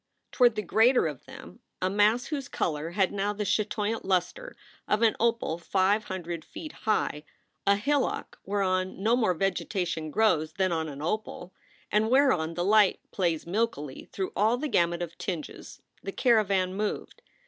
Toward the greater of them, a mass whose color had now the chatoyant luster of an opal five hundred feet high, a hillock whereon no more vegetation grows than on an opal, and whereon the light plays milkily through all the gamut of tinges, the caravan moved.